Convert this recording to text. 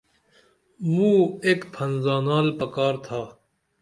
مو ایک پھن زانال پکار تھا